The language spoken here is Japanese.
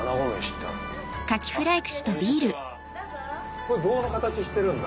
これ棒の形してるんだ。